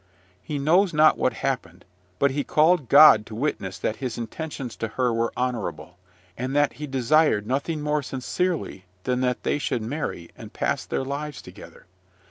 He knows not what happened; but he called God to witness that his intentions to her were honourable, and that he desired nothing more sincerely than that they should marry, and pass their lives together.